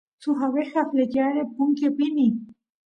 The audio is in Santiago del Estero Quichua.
suk abeja flechyara punkiy apini